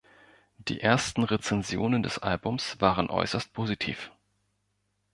Die ersten Rezensionen des Albums waren äußerst positiv.